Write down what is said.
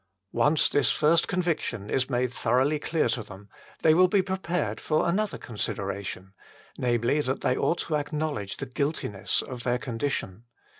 Once this first conviction is made thoroughly clear to them, they will be prepared for another consideration namely, that they ought to acknowledge the guiltiness of their condition.